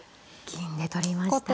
銀で取りました。